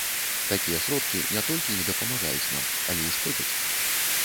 Такія сродкі не толькі не дапамагаюць нам, але і шкодзяць.